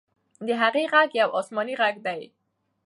د هغې ږغ یو آسماني ږغ دی.